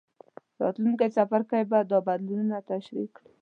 راتلونکی څپرکی به دا بدلونونه تشریح کړي.